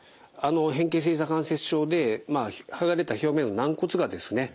変形性ひざ関節症で剥がれた表面の軟骨がですね